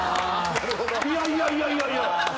いやいやいやいや！